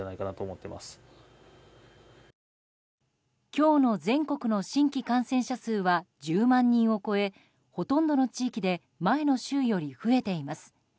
今日の全国の新規感染者数は１０万人を超えほとんどの地域で前の週より増えています。